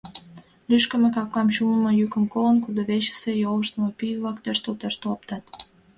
Лӱшкымӧ, капкам чумымо йӱкым колын, кудывечысе йолыштымо пий-влак тӧрштыл-тӧрштыл оптат.